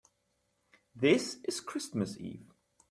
This is Christmas Eve.